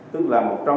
tức là một trăm linh